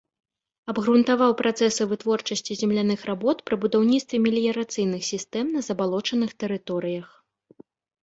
Абгрунтаваў працэсы вытворчасці земляных работ пры будаўніцтве меліярацыйных сістэм на забалочаных тэрыторыях.